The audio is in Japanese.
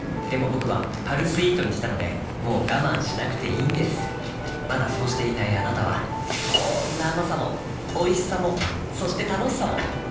僕は「パルスイート」にしたのでもう我慢しなくていいんですまだそうしていないあなたはこんな甘さもおいしさもそして楽しさもあちっ。